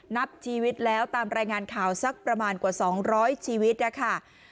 นับชีวิตแล้วตามรายงานข่าวสักประมาณกว่า๒๐๐ชีวิตนะคะ